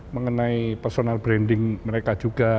mengenai personal branding mereka juga